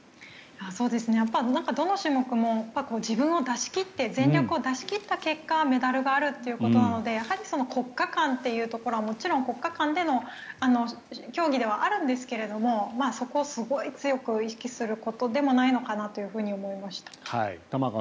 なんかどの種目も自分を出し切って全力を出し切った結果メダルがあるということなのでやはりその国家間というところはもちろん国家間での競技ではあるんですけどそこをすごく強く意識することでもないのかなと思いました。